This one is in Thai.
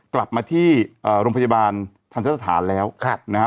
กลับมาที่เอ่อโรงพยาบาลทันสถาธารณ์แล้วค่ะนะฮะ